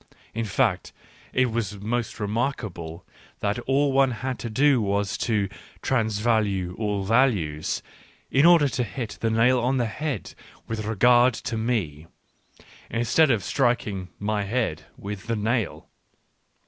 In fact it was most remarkable that all one had to do was to " transvalue all values," in order to hit the nail on the head with regard to me, instead of striking my head with the nail.